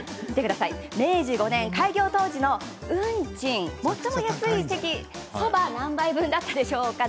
明治５年開業当時の運賃最も安い席そば何杯分だったでしょうか？